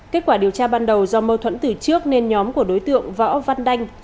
kết quả điều tra ban đầu do mâu thuẫn từ trước nên nhóm của đối tượng võ văn đanh